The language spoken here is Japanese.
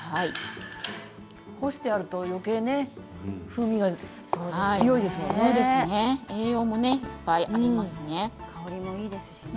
干してあるとよけいね風味が強いですよね。